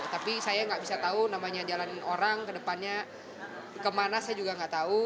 tapi saya nggak bisa tahu namanya jalanin orang ke depannya kemana saya juga nggak tahu